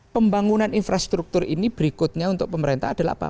pembangunan infrastruktur ini berikutnya untuk pemerintah adalah apa